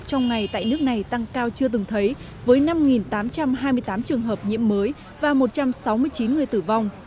trong ngày tại nước này tăng cao chưa từng thấy với năm tám trăm hai mươi tám trường hợp nhiễm mới và một trăm sáu mươi chín người tử vong